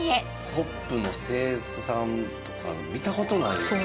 ホップの生産とか見たことないよね。